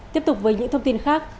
tiếp tục với những thông tin khác